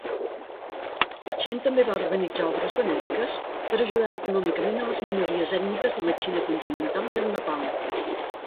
Chen també va organitzar obres benèfiques per ajudar econòmicament a les minories ètniques de la Xina continental i el Nepal.